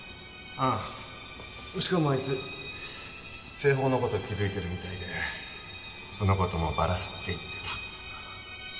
ああしかもあいつ清鳳の事気づいてるみたいでその事もバラすって言ってた。